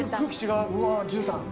うわじゅうたん。